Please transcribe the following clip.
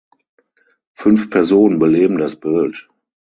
Fünf Personen beleben das Bild.